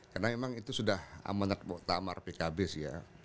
karena memang itu sudah amener muktamar pkb sih ya